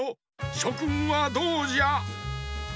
しょくんはどうじゃ？